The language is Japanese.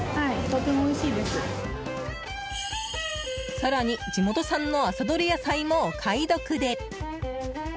更に、地元産の朝どれ野菜もお買い得で。